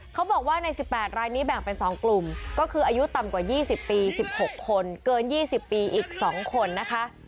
เขาบอกว่าใน๑๘รายนี้แบ่งเป็น๒กลุ่มก็คืออายุต่ำกว่า๒๐ปี๑๖คนเกิน๒๐ปีอีก๒คนนะคะ